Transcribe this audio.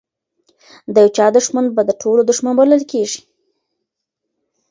د یو چا دښمن به د ټولو دښمن بلل کیږي.